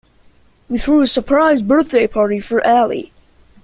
We threw a surprise birthday party for Ali.